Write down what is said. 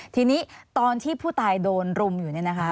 ทีนี้ตอนที่ผู้ตายโดนรุมอยู่เนี่ยนะคะ